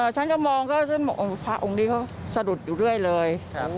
ฉันก็มองพระองค์นี้เขาสะดุดอยู่ด้วยเลย